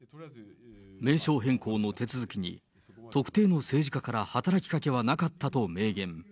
名称変更の手続きに特定の政治家から働きかけはなかったと明言。